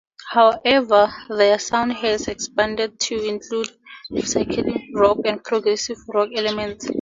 However, their sound has expanded to include psychedelic rock and progressive rock elements.